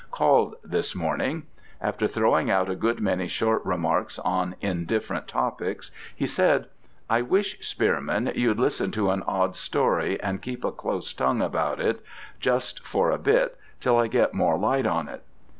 called this morning. After throwing out a good many short remarks on indifferent topics, he said 'I wish, Spearman, you'd listen to an odd story and keep a close tongue about it just for a bit, till I get more light on it.'